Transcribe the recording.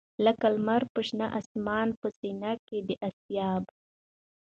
لکه لــــمــر پر شــــنه آســــمـــان په ســــینـه کـــي د آســــــــــیا به